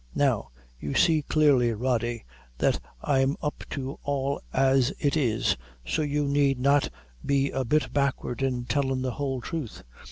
Now, you see clearly, Rody, that I'm up to all as it is, so you need not be a bit backward in tellin' the whole thruth.